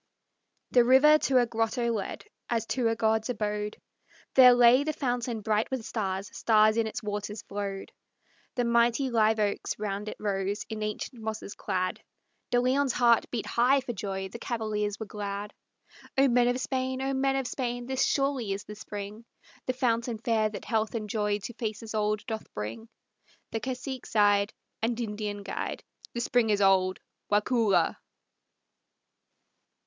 The river to a grotto led, as to a god's abode; There lay the fountain bright with stars; stars in its waters flowed; The mighty live oaks round it rose, in ancient mosses clad; De Leon's heart beat high for joy; the cavaliers were glad, "O men of Spain! O men of Spain! This surely is the spring, The fountain fair that health and joy to faces old doth bring!" The cacique sighed, And Indian guide, "The spring is old, Waukulla!"